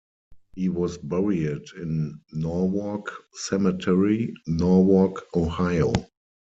He was buried in Norwalk Cemetery, Norwalk, Ohio.